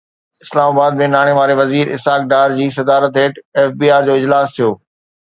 اسلام آباد ۾ ناڻي واري وزير اسحاق ڊار جي صدارت هيٺ ايف بي آر جو اجلاس ٿيو